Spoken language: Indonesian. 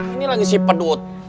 ini lagi si pedut